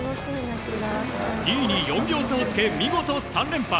２位に４秒差をつけ見事３連覇。